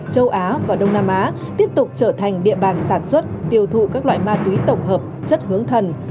châu á và đông nam á tiếp tục trở thành địa bàn sản xuất tiêu thụ các loại ma túy tổng hợp chất hướng thần